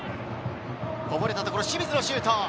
こぼれたところ、清水のシュート。